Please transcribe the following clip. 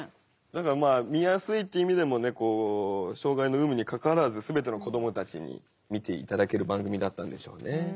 だから見やすいって意味でも障害の有無にかかわらず全ての子どもたちに見ていただける番組だったんでしょうね。